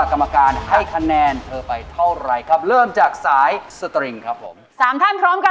๑๖คะแนน๑๘คะแนนและ๑๗คะแนนค่ะ